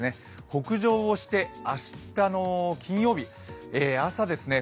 北上をして、明日の金曜日朝ですね